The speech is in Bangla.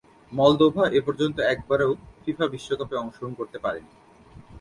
মলদোভা এপর্যন্ত একবারও ফিফা বিশ্বকাপে অংশগ্রহণ করতে পারেনি।